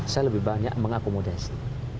saya lebih banyak mengakomodasi